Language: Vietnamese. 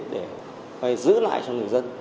để giữ lại cho người dân